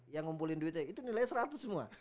yang ngumpulin duitnya itu nilainya seratus semua